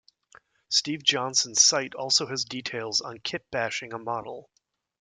Steve Johnson's site also has details on kitbashing a model.